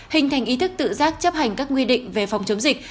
hình thành ý thức tự giác chấp hành các quy định về phòng chống dịch